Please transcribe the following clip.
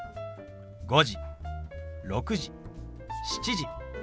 「５時」「６時」「７時」。